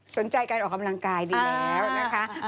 สนใจการออกกำลังกายดีแล้วนะคะ